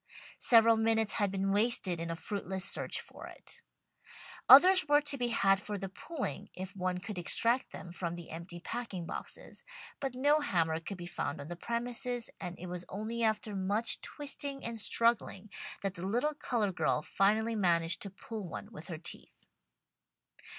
Several minutes had been wasted in a fruitless search for it. Others were to be had for the pulling, if one could extract them from the empty packing boxes, but no hammer could be found on the premises, and it was only after much twisting and struggling that the little coloured girl finally managed to pull one with her teeth.